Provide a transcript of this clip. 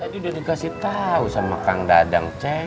tadi udah dikasih tau sama kang dadang ceng